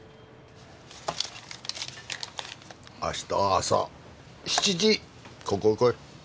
明日朝７時ここへ来い。